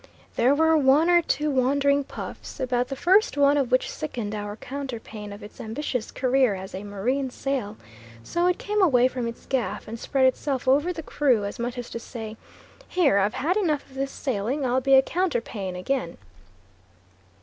There were one or two wandering puffs, about the first one of which sickened our counterpane of its ambitious career as a marine sail, so it came away from its gaff and spread itself over the crew, as much as to say, "Here, I've had enough of this sailing. I'll be a counterpane again."